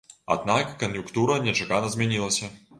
Аднак кан'юнктура нечакана змянілася.